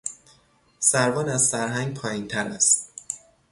سروان از سرهنگ پایینتر است.